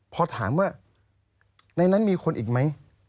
พอถามว่าในนั้นมีคนอีกไหม